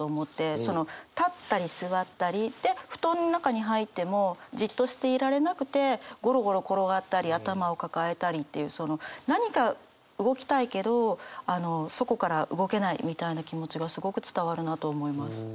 その立ったり座ったりで布団の中に入ってもじっとしていられなくてゴロゴロ転がったり頭を抱えたりっていう何か動きたいけどそこから動けないみたいな気持ちがすごく伝わるなと思います。